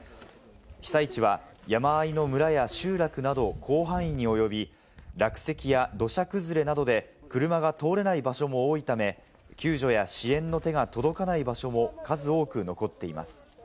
被災地は山あいの村や集落など広範囲におよび、落石や土砂崩れなどで車が通れない場所も多いため、救助や支援の手が届かない場所も数多く残っています。